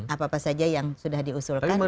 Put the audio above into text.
apa apa saja yang sudah diusulkan